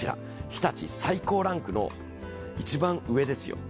日立最高ランクの、一番上ですよ。